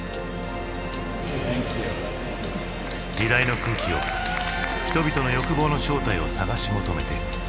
時代の空気を人々の欲望の正体を探し求めて。